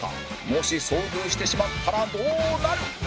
もし遭遇してしまったらどうなる？